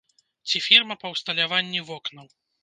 Ці фірма па ўсталяванні вокнаў.